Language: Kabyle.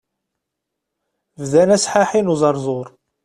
Bdan asḥaḥi n uẓerẓur.